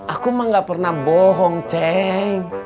aku mah gak pernah bohong ceng